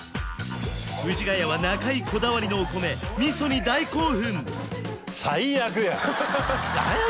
藤ヶ谷は中井こだわりのお米味噌に大興奮！